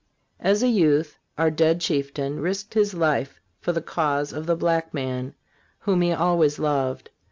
As a youth our dead chieftain risked his life for the cause of the black man, whom he always loved.